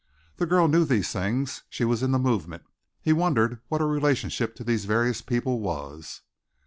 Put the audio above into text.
The girl knew these things. She was in the movement. He wondered what her relationship to these various people was?